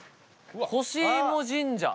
「ほしいも神社」。